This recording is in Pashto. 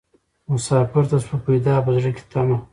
مسافر ته سوه پیدا په زړه کي تمه